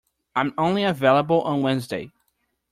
I am only available on Wednesday.